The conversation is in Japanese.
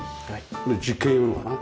で実験用のかな？